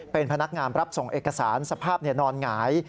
เป็นพนักงานรับส่งเอกสารสภาพนอนหงาย